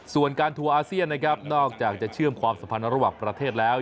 ส่วนการทัวร์อาเซียนนะครับนอกจากจะเชื่อมความสัมพันธ์ระหว่างประเทศแล้ว